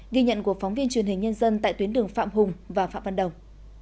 ghi nhận của phóng viên truyền hình nhân dân tại tuyến đường phạm hùng và phạm văn đồng